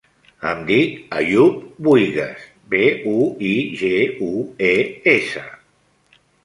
Em dic Àyoub Buigues: be, u, i, ge, u, e, essa.